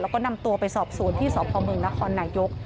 แล้วก็นำตัวไปสอบศูนย์ที่สอบพรมเมืองนครนายก